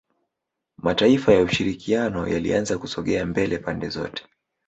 Mataifa ya ushirikiano yalianza kusogea mbele pande zote